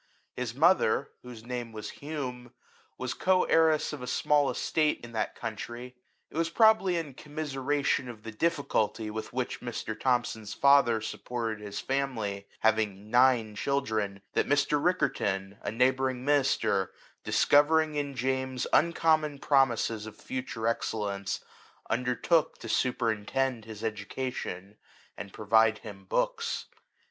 His mother, whose name was Hume, was co heiress of a small estate in that country. It was probably in commiseration of the difficulty with which Mr. Thomson's father supported his family, having nine children, that Mr. Riccarton, a neighbouring minister, dicovering in James uncommon promises of future excellence, undertook to superintend his education, and provide him books.